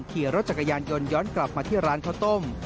ขี่รถจักรยานยนต์ย้อนกลับมาที่ร้านข้าวต้ม